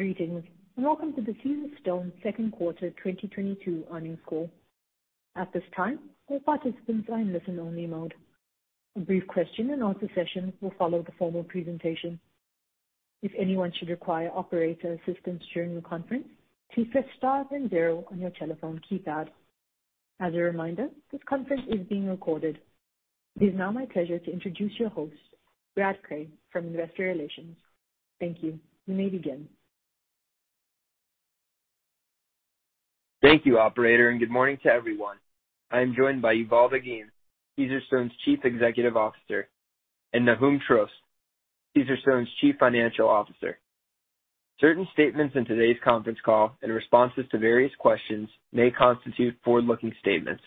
Greetings, and welcome to the Caesarstone second quarter 2022 earnings call. At this time, all participants are in listen-only mode. A brief question and answer session will follow the formal presentation. If anyone should require operator assistance during the conference, please press star then zero on your telephone keypad. As a reminder, this conference is being recorded. It is now my pleasure to introduce your host, Brad Cray from Investor Relations. Thank you. You may begin. Thank you operator, and good morning to everyone. I am joined by Yuval Dagim, Caesarstone's Chief Executive Officer, and Nahum Trost, Caesarstone's Chief Financial Officer. Certain statements in today's conference call in responses to various questions may constitute forward-looking statements.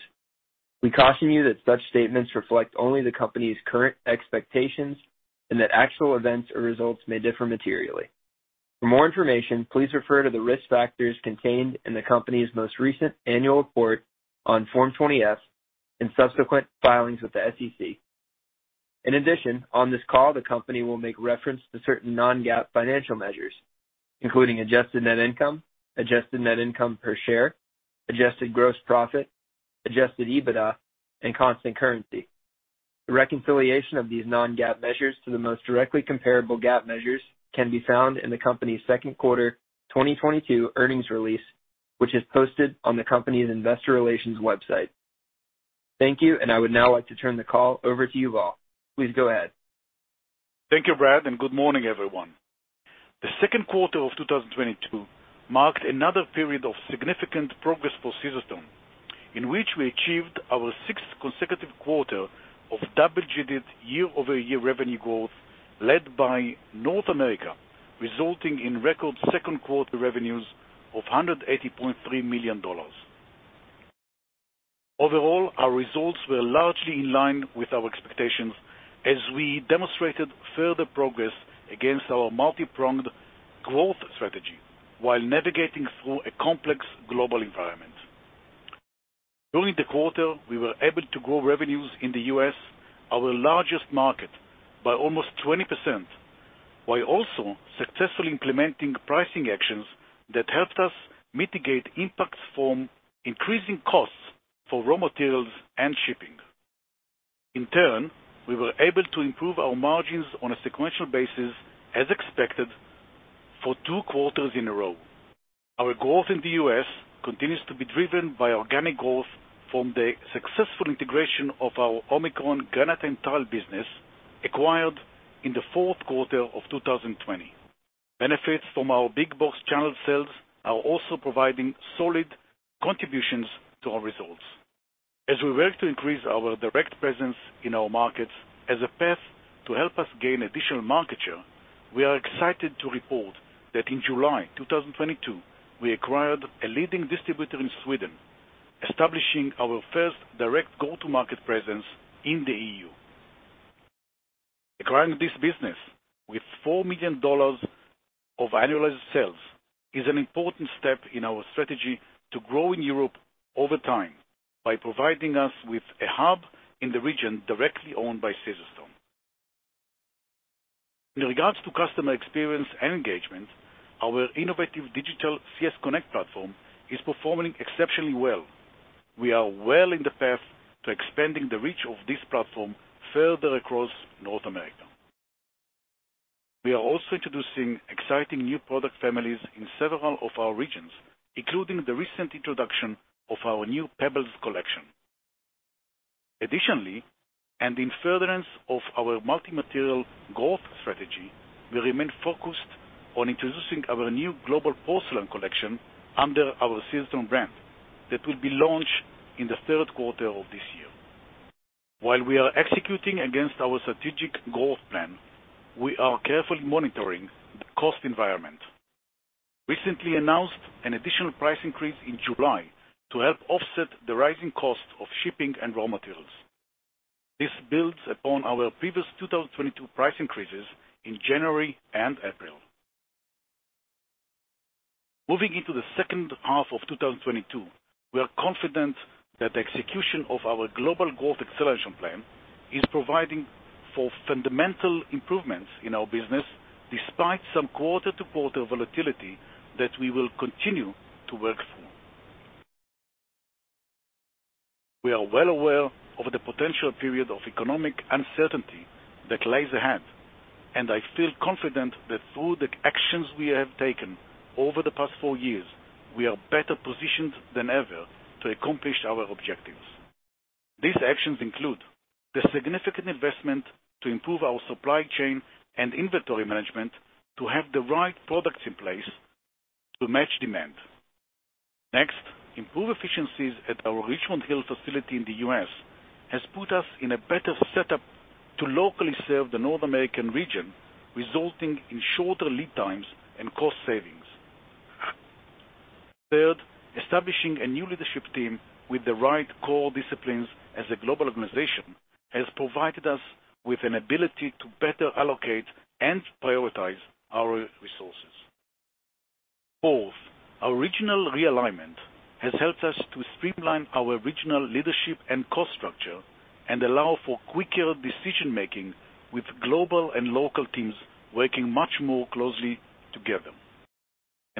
We caution you that such statements reflect only the company's current expectations and that actual events or results may differ materially. For more information, please refer to the risk factors contained in the company's most recent annual report on Form 20-F and subsequent filings with the SEC. In addition, on this call, the company will make reference to certain non-GAAP financial measures, including adjusted net income, adjusted net income per share, adjusted gross profit, adjusted EBITDA, and constant currency. The reconciliation of these non-GAAP measures to the most directly comparable GAAP measures can be found in the company's second quarter 2022 earnings release, which is posted on the company's investor relations website. Thank you, and I would now like to turn the call over to Yuval. Please go ahead. Thank you, Brad, and good morning, everyone. The second quarter of 2022 marked another period of significant progress for Caesarstone, in which we achieved our sixth consecutive quarter of double-digit year-over-year revenue growth, led by North America, resulting in record second quarter revenues of $180.3 million. Overall, our results were largely in line with our expectations as we demonstrated further progress against our multi-pronged growth strategy while navigating through a complex global environment. During the quarter, we were able to grow revenues in the U.S., our largest market, by almost 20%, while also successfully implementing pricing actions that helped us mitigate impacts from increasing costs for raw materials and shipping. In turn, we were able to improve our margins on a sequential basis as expected for two quarters in a row. Our growth in the U.S. continues to be driven by organic growth from the successful integration of our Omicron Granite and Tile business acquired in the fourth quarter of 2020. Benefits from our big box channel sales are also providing solid contributions to our results. As we work to increase our direct presence in our markets as a path to help us gain additional market share, we are excited to report that in July 2022, we acquired a leading distributor in Sweden, establishing our first direct go-to-market presence in the EU. Acquiring this business with $4 million of annualized sales is an important step in our strategy to grow in Europe over time by providing us with a hub in the region directly owned by Caesarstone. In regards to customer experience and engagement, our innovative digital CS Connect platform is performing exceptionally well. We are well in the path to expanding the reach of this platform further across North America. We are also introducing exciting new product families in several of our regions, including the recent introduction of our new Pebbles Collection. Additionally, and in furtherance of our multi-material growth strategy, we remain focused on introducing our new global Porcelain collection under our Caesarstone brand that will be launched in the third quarter of this year. While we are executing against our strategic growth plan, we are carefully monitoring the cost environment. We recently announced an additional price increase in July to help offset the rising cost of shipping and raw materials. This builds upon our previous 2022 price increases in January and April. Moving into the second half of 2022, we are confident that the execution of our Global Growth Acceleration Plan is providing for fundamental improvements in our business despite some quarter-to-quarter volatility that we will continue to work through. We are well aware of the potential period of economic uncertainty that lies ahead, and I feel confident that through the actions we have taken over the past four years, we are better positioned than ever to accomplish our objectives. These actions include the significant investment to improve our supply chain and inventory management to have the right products in place to match demand. Next, improve efficiencies at our Richmond Hill facility in the U.S. has put us in a better setup to locally serve the North American region, resulting in shorter lead times and cost savings. Third, establishing a new leadership team with the right core disciplines as a global organization has provided us with an ability to better allocate and prioritize our resources. Fourth, our regional realignment has helped us to streamline our regional leadership and cost structure and allow for quicker decision making with global and local teams working much more closely together.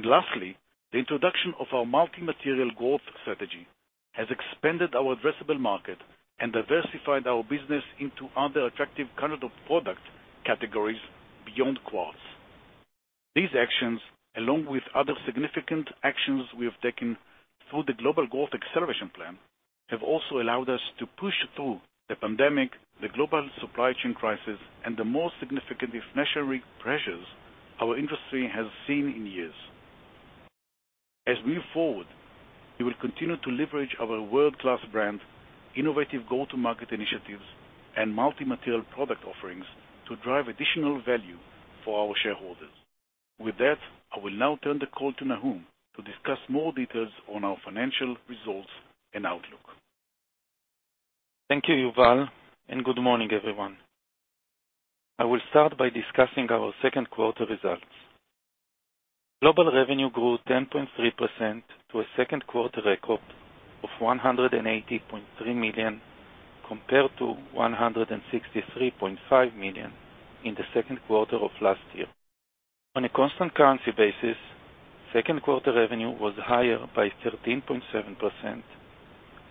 Lastly, the introduction of our multi-material growth strategy has expanded our addressable market and diversified our business into other attractive counter-product categories beyond quartz. These actions, along with other significant actions we have taken through the Global Growth Acceleration Plan, have also allowed us to push through the pandemic, the global supply chain crisis, and the most significant inflationary pressures our industry has seen in years. As we move forward, we will continue to leverage our world-class brand, innovative go-to-market initiatives, and multi-material product offerings to drive additional value for our shareholders. With that, I will now turn the call to Nahum to discuss more details on our financial results and outlook. Thank you, Yuval, and good morning, everyone. I will start by discussing our second quarter results. Global revenue grew 10.3% to a second quarter record of $180.3 million, compared to $163.5 million in the second quarter of last year. On a constant currency basis, second quarter revenue was higher by 13.7%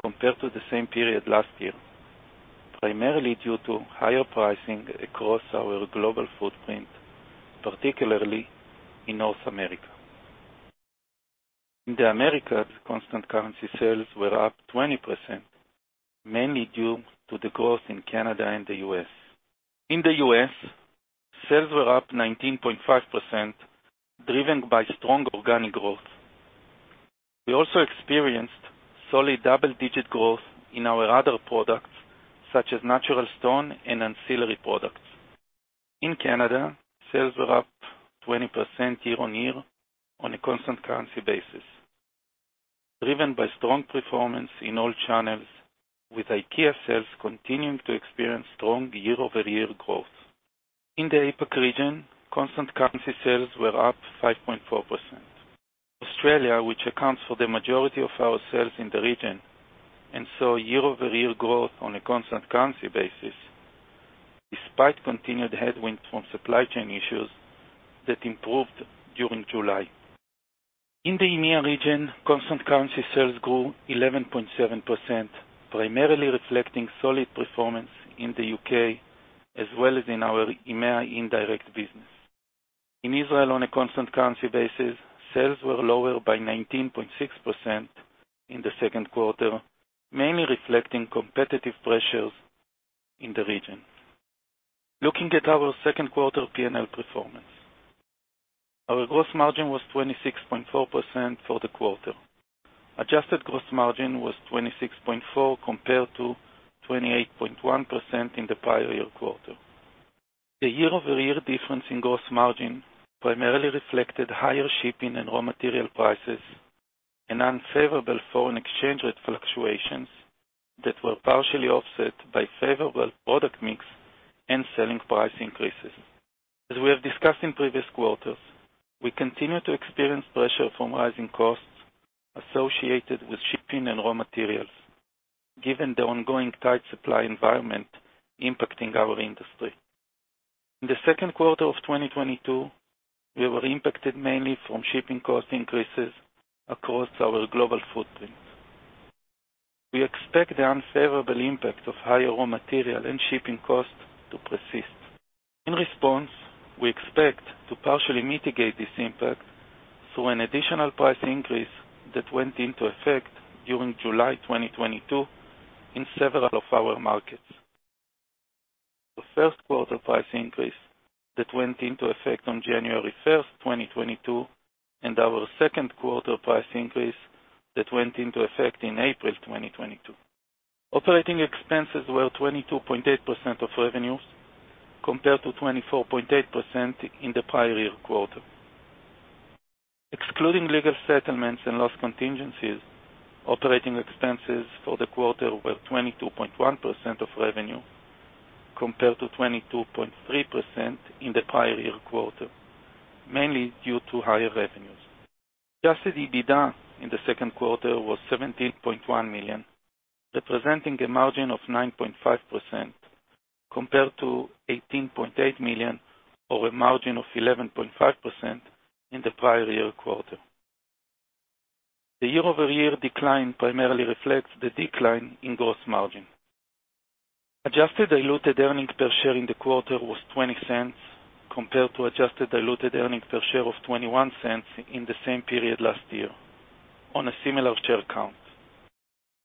compared to the same period last year, primarily due to higher pricing across our global footprint, particularly in North America. In the Americas, constant currency sales were up 20%, mainly due to the growth in Canada and the U.S. In the U.S., sales were up 19.5%, driven by strong organic growth. We also experienced solid double-digit growth in our other products, such as natural stone and ancillary products. In Canada, sales were up 20% year-on-year on a constant currency basis, driven by strong performance in all channels, with IKEA sales continuing to experience strong year-over-year growth. In the APAC region, constant currency sales were up 5.4%. Australia, which accounts for the majority of our sales in the region, and saw year-over-year growth on a constant currency basis, despite continued headwinds from supply chain issues that improved during July. In the EMEA region, constant currency sales grew 11.7%, primarily reflecting solid performance in the U.K., as well as in our EMEA indirect business. In Israel, on a constant currency basis, sales were lower by 19.6% in the second quarter, mainly reflecting competitive pressures in the region. Looking at our second quarter P&L performance. Our gross margin was 26.4% for the quarter. Adjusted gross margin was 26.4%, compared to 28.1% in the prior year quarter. The year-over-year difference in gross margin primarily reflected higher shipping and raw material prices and unfavorable foreign exchange rate fluctuations that were partially offset by favorable product mix and selling price increases. As we have discussed in previous quarters, we continue to experience pressure from rising costs associated with shipping and raw materials, given the ongoing tight supply environment impacting our industry. In the second quarter of 2022, we were impacted mainly from shipping cost increases across our global footprint. We expect the unfavorable impact of higher raw material and shipping costs to persist. In response, we expect to partially mitigate this impact through an additional price increase that went into effect during July 2022 in several of our markets. The first quarter price increase that went into effect on January 1st, 2022, and our second quarter price increase that went into effect in April 2022. Operating expenses were 22.8% of revenues, compared to 24.8% in the prior year quarter. Excluding legal settlements and loss contingencies, operating expenses for the quarter were 22.1% of revenue, compared to 22.3% in the prior year quarter, mainly due to higher revenues. Adjusted EBITDA in the second quarter was $17.1 million, representing a margin of 9.5%, compared to $18.8 million or a margin of 11.5% in the prior year quarter. The year-over-year decline primarily reflects the decline in gross margin. Adjusted diluted earnings per share in the quarter was $0.20, compared to adjusted diluted earnings per share of $0.21 in the same period last year on a similar share count.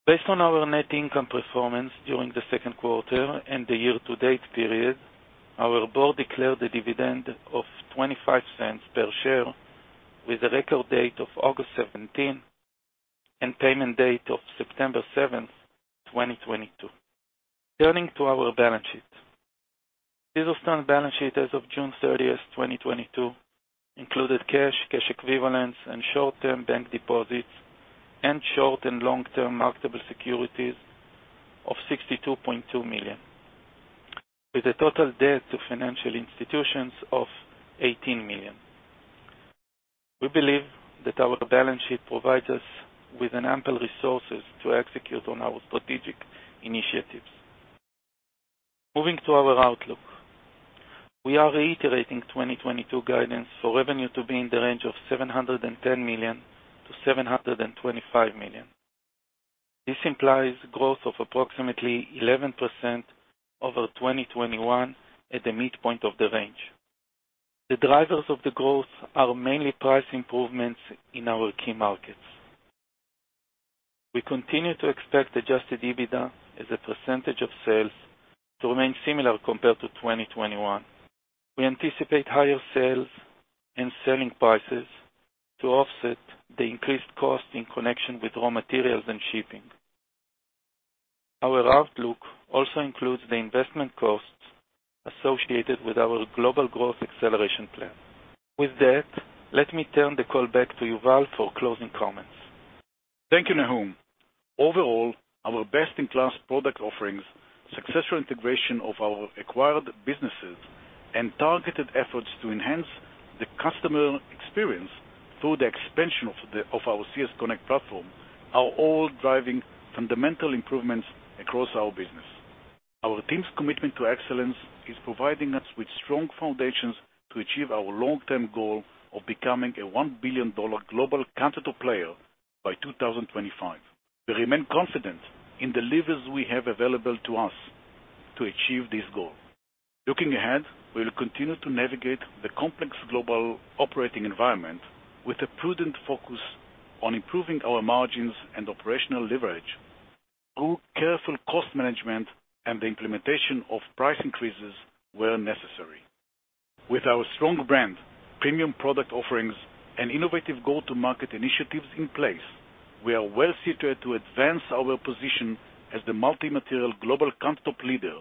Based on our net income performance during the second quarter and the year-to-date period, our board declared a dividend of $0.25 per share with a record date of August 17th and payment date of September 7th, 2022. Turning to our balance sheet. Caesarstone balance sheet as of June 30th, 2022, included cash equivalents, and short-term bank deposits, and short and long-term marketable securities of $62.2 million. With a total debt to financial institutions of $18 million. We believe that our balance sheet provides us with an ample resources to execute on our strategic initiatives. Moving to our outlook. We are reiterating 2022 guidance for revenue to be in the range of $710 million-$725 million. This implies growth of approximately 11% over 2021 at the midpoint of the range. The drivers of the growth are mainly price improvements in our key markets. We continue to expect adjusted EBITDA as a percentage of sales to remain similar compared to 2021. We anticipate higher sales and selling prices to offset the increased cost in connection with raw materials and shipping. Our outlook also includes the investment costs associated with our Global Growth Acceleration Plan. With that, let me turn the call back to Yuval for closing comments. Thank you, Nahum. Overall, our best-in-class product offerings, successful integration of our acquired businesses, and targeted efforts to enhance the customer experience through the expansion of our CS Connect platform, are all driving fundamental improvements across our business. Our team's commitment to excellence is providing us with strong foundations to achieve our long-term goal of becoming a $1 billion global countertop player by 2025. We remain confident in the levers we have available to us to achieve this goal. Looking ahead, we'll continue to navigate the complex global operating environment with a prudent focus on improving our margins and operational leverage through careful cost management and the implementation of price increases where necessary. With our strong brand, premium product offerings, and innovative go-to-market initiatives in place, we are well situated to advance our position as the multi-material global countertop leader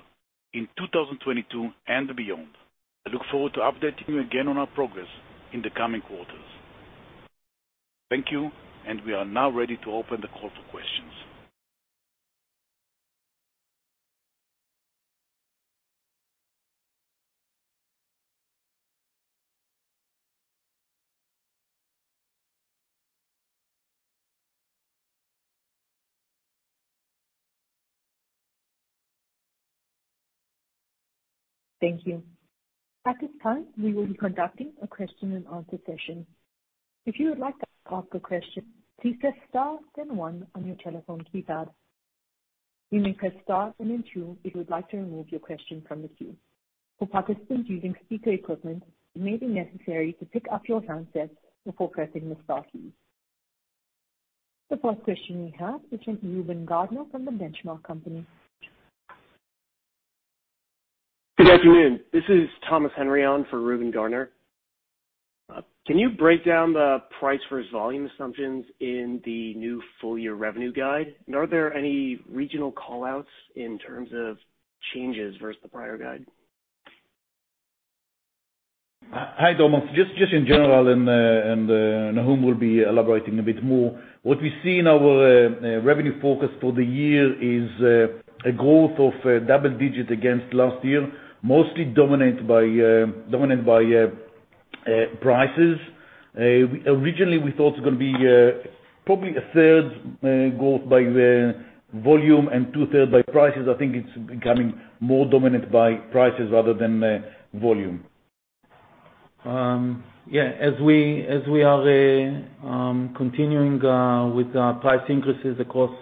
in 2022 and beyond. I look forward to updating you again on our progress in the coming quarters. Thank you, and we are now ready to open the call for questions. Thank you. At this time, we will be conducting a question and answer session. If you would like to ask a question, please press star then one on your telephone keypad. You may press star and then two if you would like to remove your question from the queue. For participants using speaker equipment, it may be necessary to pick up your handsets before pressing the star key. The first question we have is from Reuben Garner from The Benchmark Company. Good afternoon. This is Thomas Henry on for Reuben Garner. Can you break down the price versus volume assumptions in the new full-year revenue guide? Are there any regional call-outs in terms of changes versus the prior guide? Hi, Thomas. Just in general, Nahum will be elaborating a bit more. What we see in our revenue forecast for the year is a growth of double-digit against last year, mostly dominated by prices. Originally, we thought it's gonna be probably a third growth by the volume and 2/3 by prices. I think it's becoming more dominated by prices rather than volume. Yeah. As we are continuing with our price increases across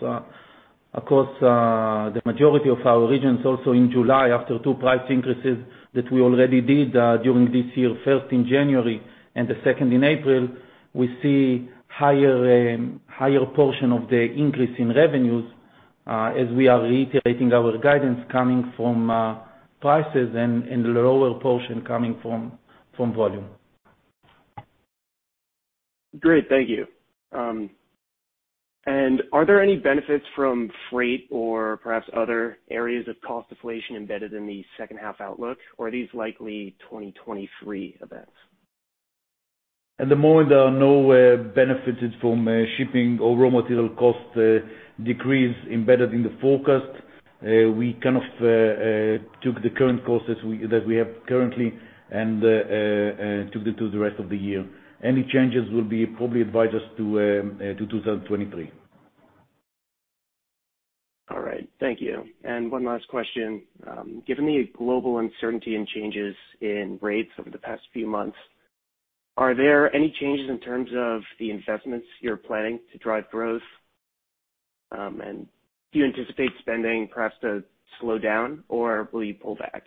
the majority of our regions also in July after two price increases that we already did during this year, first in January and the second in April, we see higher portion of the increase in revenues as we are reiterating our guidance coming from prices and the lower portion coming from volume. Great. Thank you. Are there any benefits from freight or perhaps other areas of cost deflation embedded in the second half outlook, or are these likely 2023 events? At the moment, there are no benefits from shipping or raw material cost decrease embedded in the forecast. We kind of took the current costs that we have currently and took it to the rest of the year. Any changes will be probably advised us to 2023. All right. Thank you. One last question. Given the global uncertainty and changes in rates over the past few months, are there any changes in terms of the investments you're planning to drive growth, and do you anticipate spending perhaps to slow down or will you pull back?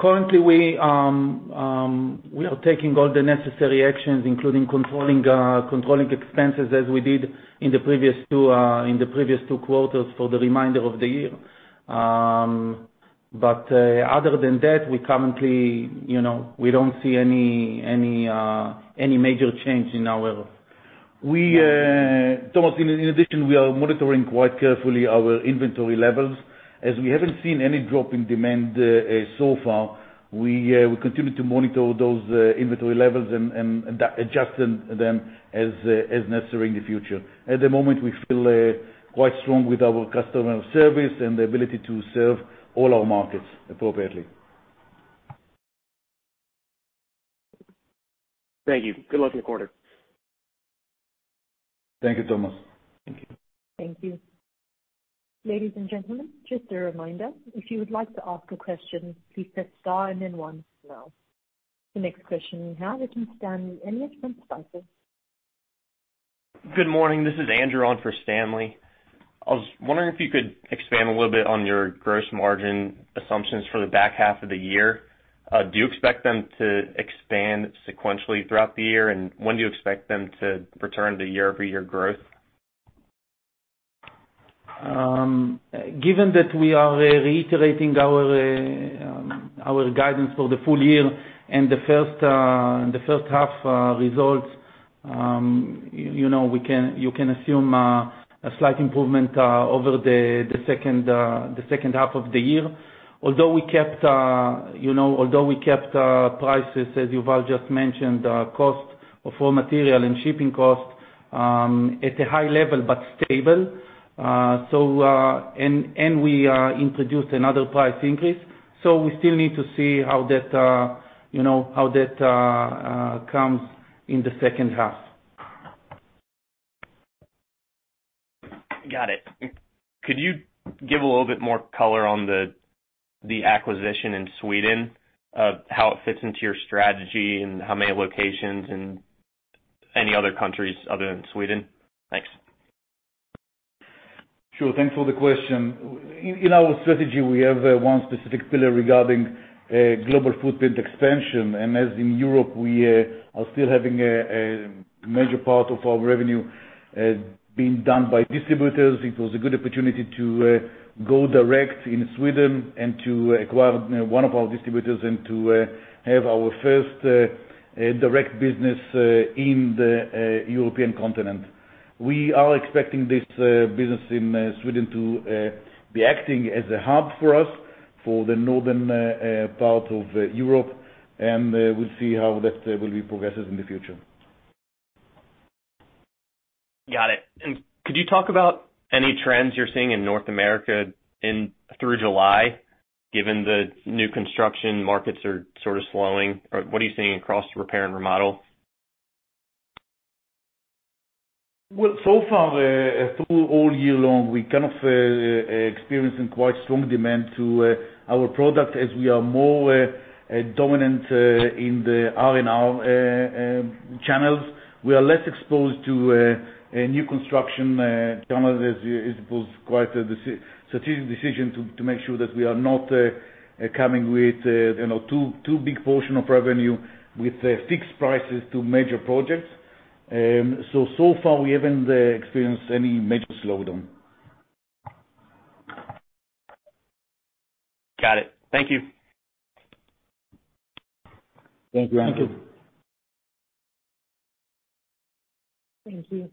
Currently, we are taking all the necessary actions, including controlling expenses as we did in the previous two quarters for the remainder of the year. Other than that, we currently, you know, we don't see any major change in our level. We, Thomas, in addition, we are monitoring quite carefully our inventory levels. As we haven't seen any drop in demand so far, we continue to monitor those inventory levels and adjust them as necessary in the future. At the moment, we feel quite strong with our customer service and the ability to serve all our markets appropriately. Thank you. Good luck in the quarter. Thank you so much. Thank you. Thank you. Ladies and gentlemen, just a reminder, if you would like to ask a question, please press star and then one now. The next question we have is from Jonathan Stanley. Good morning. This is Andrew on for Stanley. I was wondering if you could expand a little bit on your gross margin assumptions for the back half of the year. Do you expect them to expand sequentially throughout the year? When do you expect them to return to year-over-year growth? Given that we are reiterating our guidance for the full year and the first half results, you know, you can assume a slight improvement over the second half of the year. Although we kept you know, prices, as Yuval just mentioned, cost of raw material and shipping costs at a high level, but stable. We introduced another price increase, so we still need to see how that you know comes in the second half. Got it. Could you give a little bit more color on the acquisition in Sweden, of how it fits into your strategy and how many locations and any other countries other than Sweden? Thanks. Sure. Thanks for the question. Well, in our strategy, we have one specific pillar regarding global footprint expansion. As in Europe, we are still having a major part of our revenue being done by distributors. It was a good opportunity to go direct in Sweden and to acquire one of our distributors and to have our first direct business in the European continent. We are expecting this business in Sweden to be acting as a hub for us for the northern part of Europe, and we'll see how that will be progressive in the future. Got it. Could you talk about any trends you're seeing in North America in through July, given the new construction markets are sort of slowing? Or what are you seeing across repair and remodel? Well, so far, through all year long, we kind of experiencing quite strong demand for our product as we are more dominant in the R&R channels. We are less exposed to a new construction channels as it was quite a strategic decision to make sure that we are not coming with, you know, too big portion of revenue with the fixed prices to major projects. So far, we haven't experienced any major slowdown. Got it. Thank you. Thank you. Thank you. Thank you.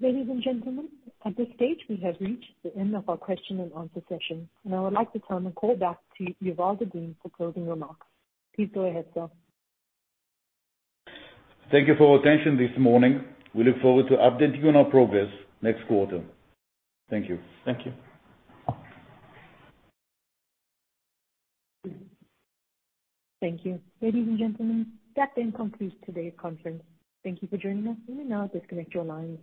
Ladies and gentlemen, at this stage, we have reached the end of our question and answer session. I would like to turn the call back to Yuval Dagim for closing remarks. Please go ahead, sir. Thank you for your attention this morning. We look forward to updating you on our progress next quarter. Thank you. Thank you. Thank you. Ladies and gentlemen, that then concludes today's conference. Thank you for joining us. You may now disconnect your lines.